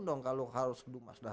dong kalau harus berjumlah